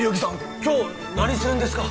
今日何するんですか？